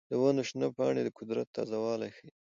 د ونو شنه پاڼې د قدرت تازه والی ښيي.